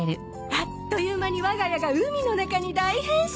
あっという間に我が家が海の中に大変身。